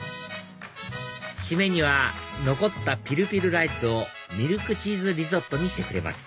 締めには残ったピルピルライスをミルクチーズリゾットにしてくれます